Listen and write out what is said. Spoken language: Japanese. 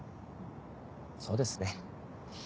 そうですね。